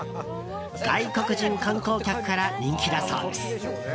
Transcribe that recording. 外国人観光客から人気だそうです。